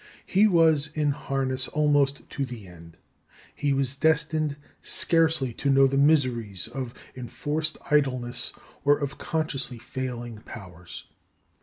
He was in harness almost to the end. He was destined scarcely to know the miseries of enforced idleness or of consciously failing powers.